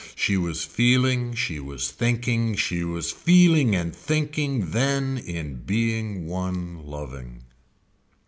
She was feeling, she was thinking, she was feeling and thinking then in being one loving.